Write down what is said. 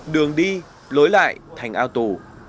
đường đi lối lại thành ao tù